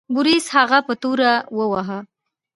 بوریس هغه په توره وواهه.